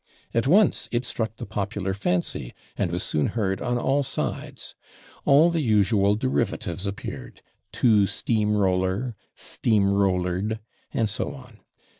At once it struck the popular fancy and was soon heard on all sides. All the usual derivatives appeared, /to steam roller/, /steam rollered/, and so on.